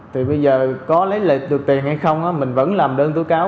thì bây giờ có lấy lệ được tiền hay không mình vẫn làm đơn tố cáo